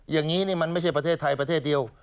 อย่างนี้นี่มันไม่ใช่ประเทศไทยประเทศเดียว